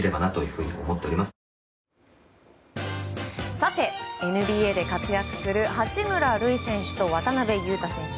さて、ＮＢＡで活躍する八村塁選手と渡邊雄太選手。